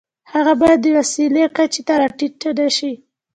هغه باید د وسیلې کچې ته را ټیټ نشي.